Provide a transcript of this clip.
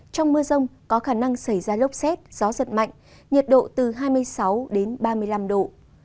trong mưa rông có khả năng xảy ra lốc xét gió giật mạnh nhiệt độ từ hai mươi sáu đến ba mươi năm độ